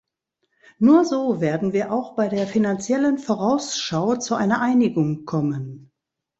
Nur so werden wir auch bei der Finanziellen Vorausschau zu einer Einigung kommen.